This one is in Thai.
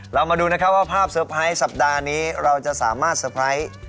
เรามาดูนะครับว่าภาพเซอร์ไพรส์สัปดาห์นี้เราจะสามารถเตอร์ไพรส์